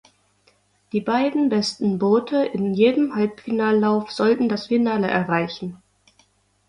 Die beiden besten Boote in jedem Halbfinallauf sollten das Finale erreichen.